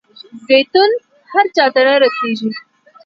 زیتون هر چاته نه رسیږي.